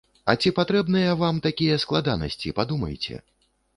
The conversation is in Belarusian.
А ці патрэбныя вам такія складанасці, падумайце?